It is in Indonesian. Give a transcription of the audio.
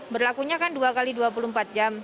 berlakunya kan dua x dua puluh empat jam